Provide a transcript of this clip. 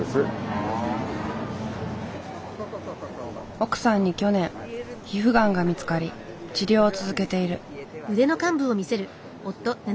奥さんに去年皮膚がんが見つかり治療を続けている。